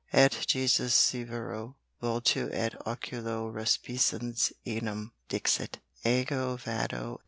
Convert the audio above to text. et Jesus severo vultu et oculo respiciens eum, dixit: 'Ego vado.